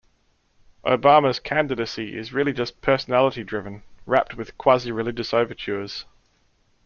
Obama's candidacy is really just personality-driven, wrapped with quasi-religious overtures.